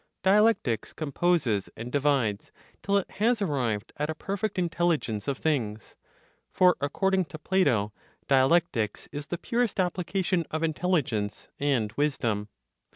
Dialectics composes, and divides, till it has arrived at a perfect intelligence of things; for according to (Plato), dialectics is the purest application of intelligence and wisdom.